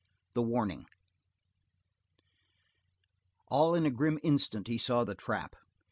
The Warning All in a grim instant he saw the trap.